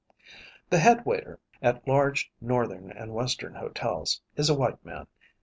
"] The head waiter, at large Northern and Western hotels, is a white man.